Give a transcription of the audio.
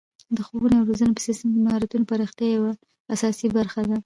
د ښوونې او روزنې په سیستم کې د مهارتونو پراختیا یوه اساسي برخه ده.